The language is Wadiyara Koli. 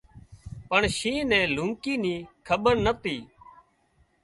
پڻ شينهن نين لونڪي ني کٻير نتي